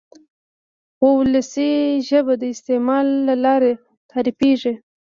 وولسي ژبه د استعمال له لارې تعریفېږي.